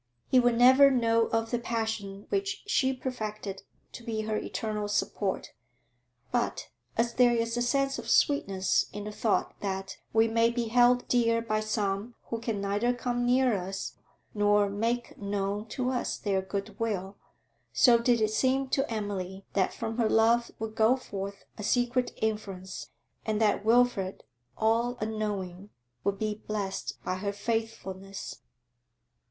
He would never know of the passion which she perfected to be her eternal support; but, as there is a sense of sweetness in the thought that we may be held dear by some who can neither come near us nor make known to us their good will, so did it seem to Emily that from her love would go forth a secret influence, and that Wilfrid, all unknowing, would be blest by her faithfulness.